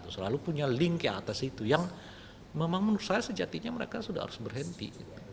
selalu punya link yang atas itu yang memang menurut saya sejatinya mereka sudah harus berhenti